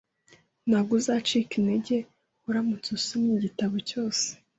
Ntabwo uzacika intege uramutse usomye igitabo cyose